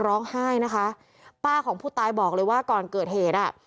ร้องไห้นะคะป้าของผู้ตายบอกเลยว่าก่อนเกิดเหตุอ่ะ